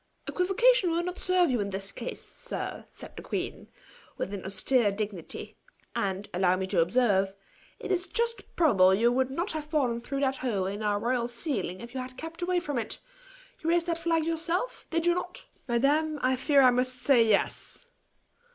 "Equivocation will not serve you in this case, sir," said the queen, with an austere dignity. "And, allow me to observe, it is just probable you would not have fallen through that hole in our royal ceiling if you had kept away from it. You raised that flag yourself did you not?" "Madam, I fear I must say yes!"